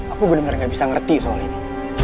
aku bener bener gak bisa ngerti soal ini